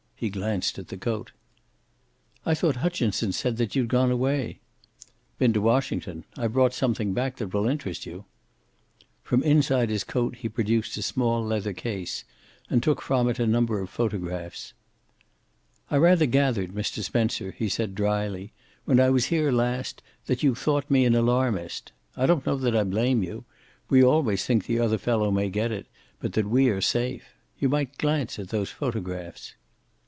He glanced at the coat. "I thought Hutchinson said that you'd gone away." "Been to Washington. I brought something back that will interest you." From inside his coat he produced a small leather case, and took from it a number of photographs. "I rather gathered, Mr. Spencer," he said dryly, "when I was here last that you thought me an alarmist. I don't know that I blame you. We always think the other fellow may get it, but that we are safe. You might glance at those photographs."